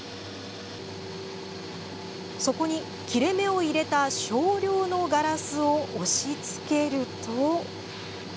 そこに、切れ目を入れた少量のガラスを押しつけると。